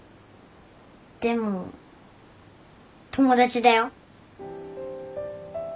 でも友達だよ。